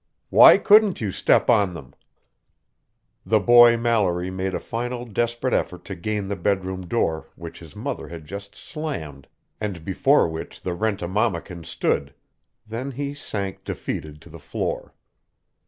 "Why couldn't you step on them?" The boy Mallory made a final desperate effort to gain the bedroom door which his mother had just slammed and before which the rent a mammakin stood, then he sank defeated to the floor.